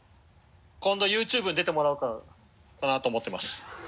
今度ＹｏｕＴｕｂｅに出てもらおうかなと思ってます。